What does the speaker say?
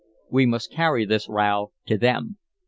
We must carry this row to them.